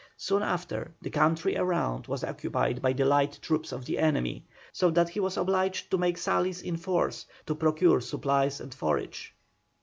Soon after the country around was occupied by the light troops of the enemy, so that he was obliged to make sallies in force to procure supplies and forage.